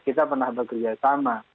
kita pernah bekerja sama